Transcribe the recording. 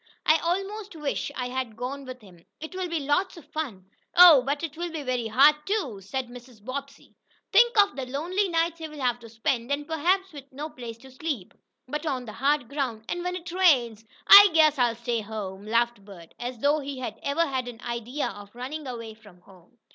I almost wish I had gone with him. It will be lots of fun." "Oh, but it will be very hard, too," said Mrs. Bobbsey. "Think of the lonely nights he'll have to spend, and perhaps with no place to sleep, but on the hard ground. And when it rains " "I guess I'll stay home!" laughed Bert, as though he had ever had an idea of running away from home.